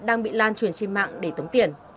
đang bị lan truyền trên mạng để tống tiền